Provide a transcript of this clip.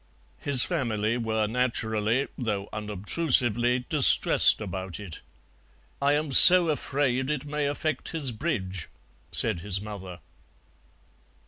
His family were naturally, though unobtrusively, distressed about it. "I am so afraid it may affect his bridge," said his mother.